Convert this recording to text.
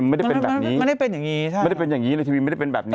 มันไม่ได้เป็นแบบนี้ไม่ได้เป็นอย่างงี้ไม่ได้เป็นแบบนี้